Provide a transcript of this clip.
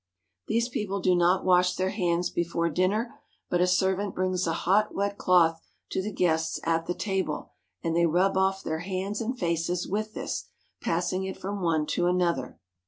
These people do not wash their hands before dinner, but a servant brings a hot, wet cloth to the guests at the table, and they rub off their hands and faces with this, passing it from one to another.